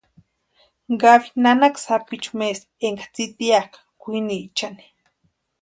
Gaby nanaka sapichu maesti énka tsitiakʼa kwiniechani.